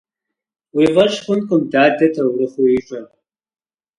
Уи фӀэщ хъункъым дадэ таурыхъыу ищӀэр.